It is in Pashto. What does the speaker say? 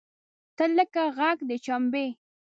تۀ لکه غږ د چمبې !